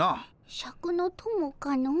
シャクの友かの？